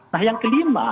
nah yang kelima